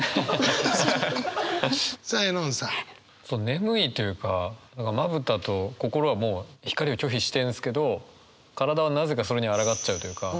眠いというかまぶたと心が光を拒否してるんですけど体はなぜかそれにあらがっちゃうというか。